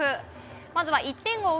まずは１点を追う